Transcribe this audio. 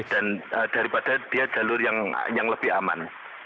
dan daripada dia jalur yang lebih aman